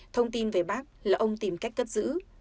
thông tin về bác là ông tìm cách cất giữ